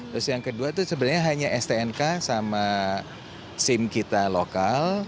terus yang kedua itu sebenarnya hanya stnk sama sim kita lokal